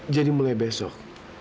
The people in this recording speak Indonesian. jadi mulai besok